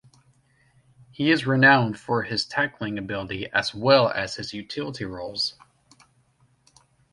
He is renowned for his tackling ability as well as his Utility roles.